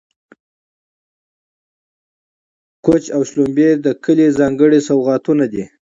کوچ او شړومبې د کلي ځانګړي سوغاتونه دي.